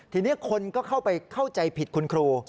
ทีนี้คนก็เข้าไปเข้าใจผิดคุณครู